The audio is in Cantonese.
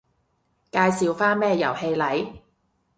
介紹返咩遊戲嚟